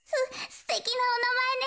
すてきなおなまえね。